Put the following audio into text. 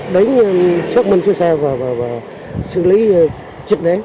đánh xác minh xe xe và xử lý trực đáy